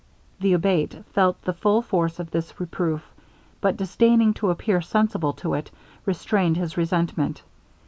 The Abate felt the full force of this reproof; but disdaining to appear sensible to it, restrained his resentment.